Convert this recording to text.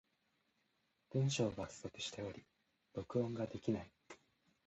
文章が不足しており、録音ができない。